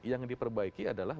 yang diperbaiki adalah